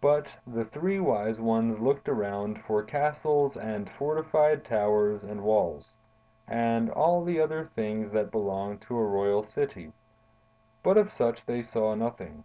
"But the three wise ones looked around for castles and fortified towers and walls, and all the other things that belong to a royal city; but of such they saw nothing.